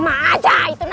masih mana tutupnya